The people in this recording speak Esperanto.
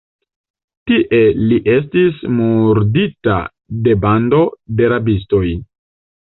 Tie li estis murdita de bando de rabistoj.